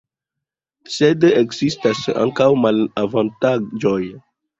Sed ekzistis ankaŭ malavantaĝoj.